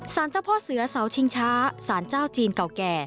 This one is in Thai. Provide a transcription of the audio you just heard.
เจ้าพ่อเสือเสาชิงช้าสารเจ้าจีนเก่าแก่